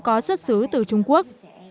có xuất xứ từ trung quốc